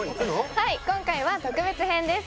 はい今回は特別編です